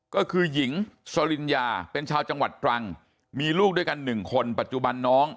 ก็คือหญิงสลินยาเป็นชาวจังหวัดตรังมีลูกด้วยกันหนึ่งคนปัจจุบันน้อง